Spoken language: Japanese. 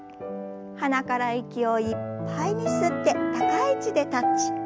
鼻から息をいっぱいに吸って高い位置でタッチ。